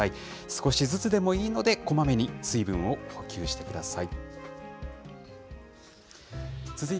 少しずつでもいいので、こまめに水分を補給してください。